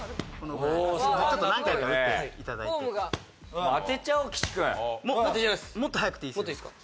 ちょっと何回か打っていただいて当てちゃおう岸くんもっと速くていいですよ